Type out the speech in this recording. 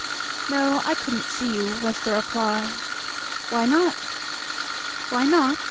"No, I couldn't see you," was the reply. "Why not?" "Why not?